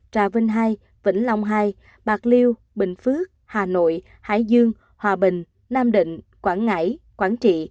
trà vinh hai vĩnh long hai bạc liêu bình phước hà nội hải dương hòa bình nam định quảng ngãi quảng trị